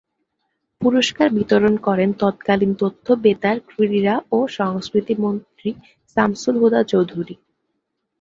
পুরস্কার বিতরণ করেন তৎকালীন তথ্য, বেতার, ক্রীড়া ও সংস্কৃতি মন্ত্রী শামসুল হুদা চৌধুরী।